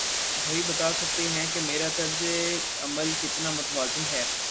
وہی بتا سکتے ہیں کہ میرا طرز عمل کتنا متوازن ہے۔